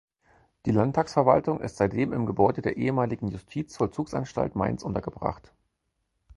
Die Landtagsverwaltung ist seitdem im Gebäude der ehemaligen Justizvollzugsanstalt Mainz untergebracht.